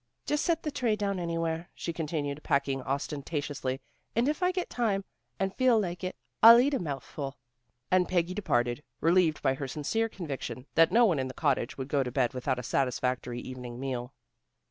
"Just set the tray down anywhere," she continued, packing ostentatiously, "and if I get time and feel like it, I'll eat a mouthful." And Peggy departed, relieved by her sincere conviction that no one in the cottage would go to bed without a satisfactory evening meal.